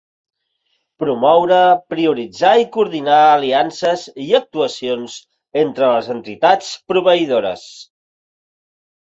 Promoure, prioritzar i coordinar aliances i actuacions entre les entitats proveïdores.